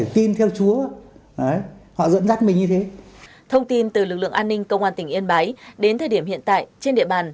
thông tin từ lực lượng an ninh công an tỉnh yên bái đến thời điểm hiện tại trên địa bàn